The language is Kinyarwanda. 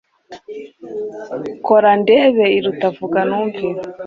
kora ndebe iruta vuga numve